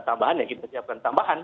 tambahan ya kita siapkan tambahan